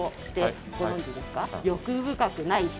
欲深くない人。